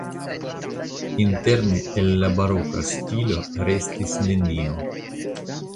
Interne el la baroka stilo restis nenio.